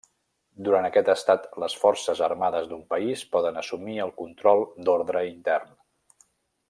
Durant aquest estat les forces armades d'un país poden assumir el control d'ordre intern.